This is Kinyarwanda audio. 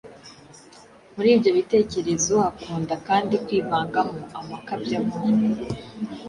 Muri ibyo bitekerezo hakunda kandi kwivangamo amakabyankuru